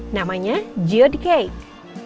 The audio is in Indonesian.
namanya geode cake